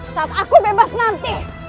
saat aku bebas nanti